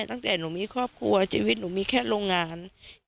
ตั้งแต่หนูมีครอบครัวชีวิตหนูมีแค่โรงงาน